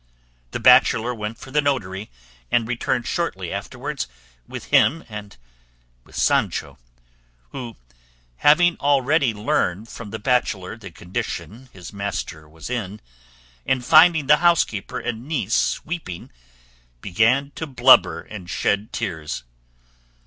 The bachelor went for the notary and returned shortly afterwards with him and with Sancho, who, having already learned from the bachelor the condition his master was in, and finding the housekeeper and niece weeping, began to blubber and shed tears.